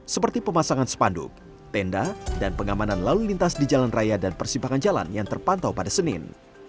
seperti pemasangan spanduk tenda dan pengamanan lalu lintas di jalan raya dan persimpangan jalan yang terpantau pada senin